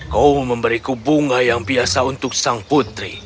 kau memberiku bunga yang biasa untuk sang putri